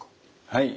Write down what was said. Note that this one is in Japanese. はい。